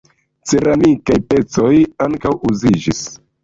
Ceramikaj pecoj ankaŭ uziĝis.